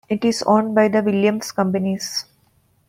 It is owned by the Williams Companies.